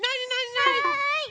はい。